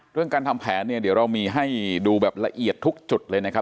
การทำแผนเนี่ยเดี๋ยวเรามีให้ดูแบบละเอียดทุกจุดเลยนะครับ